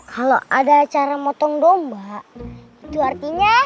kalau ada cara motong domba itu artinya